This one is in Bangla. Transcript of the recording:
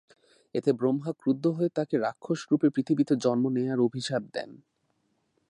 এতে ব্রহ্মা ক্রুদ্ধ হয়ে তাকে রাক্ষস রূপে পৃথিবীতে জন্ম নেয়ার অভিশাপ দেন।